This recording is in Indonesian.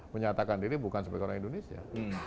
menyatakan diri bukan sebagai orang indonesia